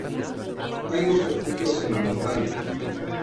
Hay dos refugios en la montaña.